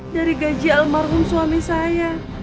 dari gaji almarhum suami saya